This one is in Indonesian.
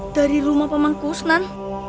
dari rumah paman kusnan